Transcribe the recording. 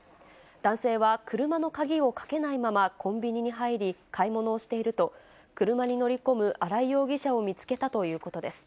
男性は車の鍵をかけないまま、コンビニに入り、買い物をしていると、車に乗り込む荒井容疑者を見つけたということです。